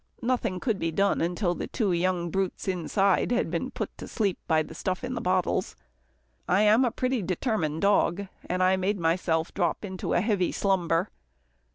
Nothing could be done till the two young brutes inside had been put to sleep by the stuff in the bottles. I am a pretty determined dog, and I made myself drop into a heavy slumber.